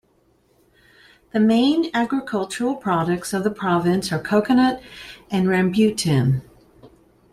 The main agricultural products of the province are coconut and rambutan.